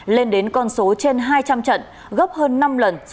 lên đến con số trên hai trăm linh trận gấp hơn năm lần